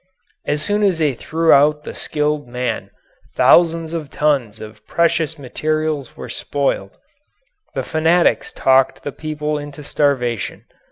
As soon as they threw out the skilled man, thousands of tons of precious materials were spoiled. The fanatics talked the people into starvation.